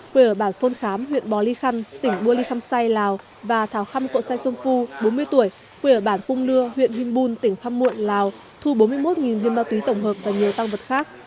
quê ở bản phôn khám huyện bò ly khăn tỉnh bùa ly khăm say lào và thảo khăm cộ say xuân phu bốn mươi tuổi quê ở bản cung lưa huyện huynh bun tỉnh khăm muộn lào thu bốn mươi một viên ma túy tổng hợp và nhiều tăng vật khác